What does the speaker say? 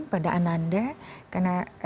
pada anak anda karena